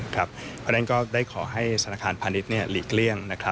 เพราะฉะนั้นก็ได้ขอให้ธนาคารพาณิชย์หลีกเลี่ยง